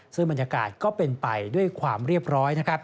ซึ่งบรรยากาศก็เป็นไปด้วยความเรียบร้อยนะครับ